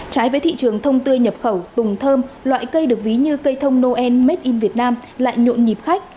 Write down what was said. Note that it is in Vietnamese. trái với thị trường thông tươi nhập khẩu tùng thơm loại cây được ví như cây thông noel made in vietnam lại nhộn nhịp khách